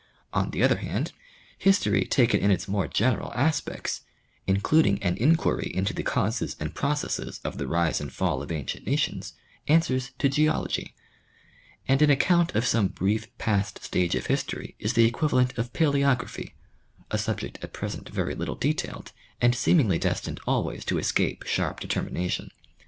On the other hand, history taken in its more general aspects, includ ing an inquiry into the causes and processes of the rise and fall of ancient nations, answers to geology ; and an account of some brief past stage of history is the equivalent of paleography, a subject at present very little studied and seemingly destined always to escape sharp determination.